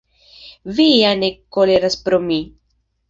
Vi ja ne koleras pro mi?